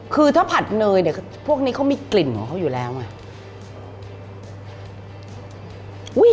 คือถ้าผัดเนยเนี่ยพวกนี้เขามีกลิ่นของเขาอยู่แล้วไง